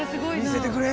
見せてくれ！